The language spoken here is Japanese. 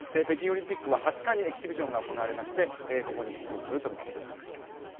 北京オリンピックは２０日にエキシビションが行われましてここに出場するとみられます。